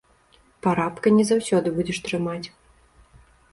Парабка не заўсёды будзеш трымаць.